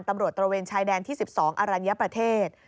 ตำรวจตรวจชายแดนที่๑๒อรัญยประเทศ